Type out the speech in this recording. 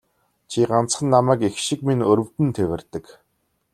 Чи ганцхан намайг эх шиг минь өрөвдөн тэвэрдэг.